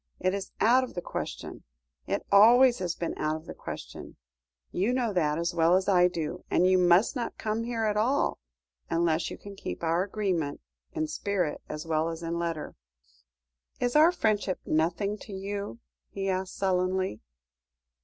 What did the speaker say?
It is out of the question. It always has been out of the question. You know that as well as I do, and you must not come here at all, unless you can keep to our agreement in spirit as well as in letter." "Is our friendship nothing to you?" he asked sullenly.